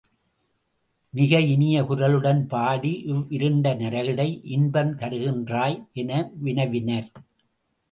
மிக இனிய குரலுடன் பாடி இவ்விருண்ட நரகிடை இன்பந் தருகின்றாய்? என வினவினர்.